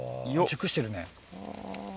熟してるね。